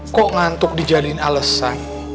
kok ngantuk dijadiin alesan